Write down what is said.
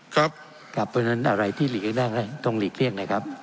ครับครับเพราะฉะนั้นอะไรที่หลีกเลี่ได้ต้องหลีกเลี่ยงนะครับ